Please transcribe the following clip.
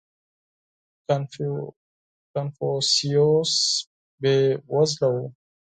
• کنفوسیوس بېوزله و.